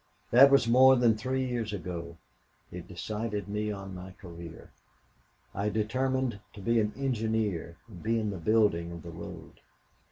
"That was more than three years ago. It decided me on my career. I determined to be an engineer and be in the building of the road.